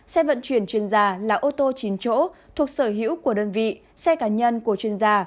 xe vận chuyển chuyên gia là ô tô chín chỗ thuộc sở hữu của đơn vị xe cá nhân của chuyên gia